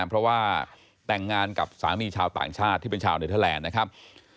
เพราะว่าแต่งงานกับสามีชาวต่างชาติที่เป็นชาวเนเทอร์แลนด์นะครับ